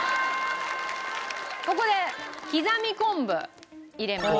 ここで刻み昆布入れます。